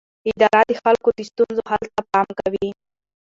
اداره د خلکو د ستونزو حل ته پام کوي.